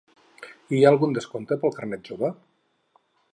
Hi ha algun descompte per carnet jove?